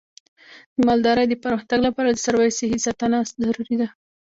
د مالدارۍ د پرمختګ لپاره د څارویو صحي ساتنه ضروري ده.